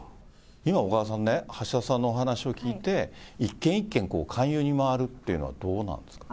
今、小川さんね、橋田さんのお話を聞いて、一軒一軒こう、勧誘に回るというのはどうなんですか？